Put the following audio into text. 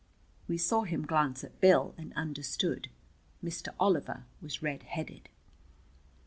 We saw him glance at Bill, and understood. Mr. Oliver was red headed.